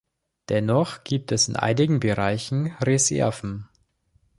Dennoch gibt es in einigen Bereichen Reserven.